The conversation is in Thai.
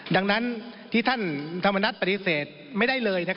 ดังนั้นที่ท่านธรรมนัฏปฏิเสธไม่ได้เลย